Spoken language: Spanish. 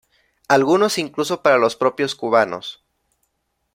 Algunos incluso para los propios cubanos.